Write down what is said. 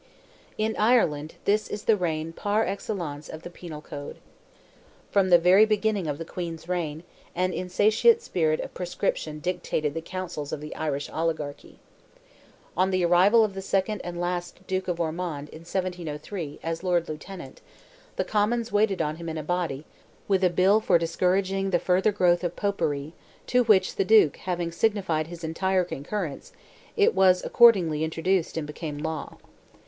In Ireland, this is the reign, par excellence, of the penal code. From the very beginning of the Queen's reign, an insatiate spirit of proscription dictated the councils of the Irish oligarchy. On the arrival of the second and last Duke of Ormond, in 1703, as Lord Lieutenant, the Commons waited on him in a body, with a bill "for discouraging the further growth of Popery," to which the duke having signified his entire concurrence, it was accordingly introduced, and became law.